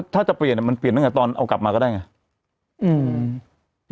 ถ้าจะเปลี่ยนแมนตั้งแต่ตอนเอากลับมาก็ได้ไหม